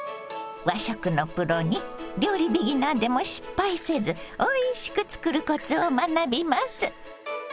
和食のプロに料理ビギナーでも失敗せずおいしく作るコツを学びます！